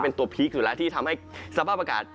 เป็นตัวพีคอยู่แล้วที่ทำให้สภาพอากาศ